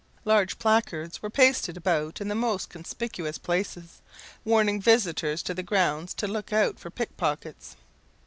Large placards were pasted about in the most conspicuous places, warning visitors to the grounds to look out for pickpockets!